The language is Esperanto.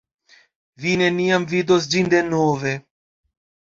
Vi neniam vidos ĝin denove.